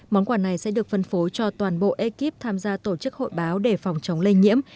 món quà này sẽ được phân phối cho toàn bộ ekip tham gia tổ chức hội báo để phòng chống lây nhiễm